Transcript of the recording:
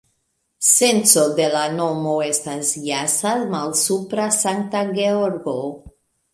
Senco de la nomo estas jasa-malsupra-Sankta-Georgo.